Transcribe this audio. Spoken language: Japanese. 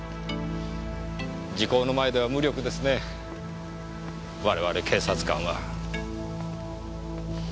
時効の前では無力ですね我々警察官は。